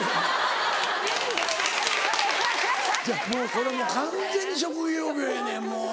これ完全に職業病やねんもう。